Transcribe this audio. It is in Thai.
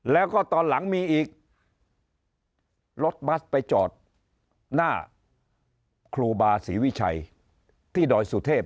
แล้วก็ตอนหลังมีอีกรถบัสไปจอดหน้าครูบาศรีวิชัยที่ดอยสุเทพ